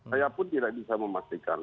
saya pun tidak bisa memastikan